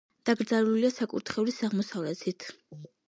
დაკრძალულია საკურთხევლის აღმოსავლეთით.